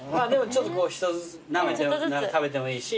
ちょっと１つずつ食べてもいいし